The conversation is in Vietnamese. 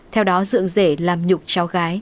theo đó dựng dễ làm nhục cháu gái